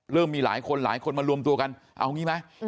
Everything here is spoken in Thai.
มีหลายคนหลายคนมารวมตัวกันเอางี้ไหม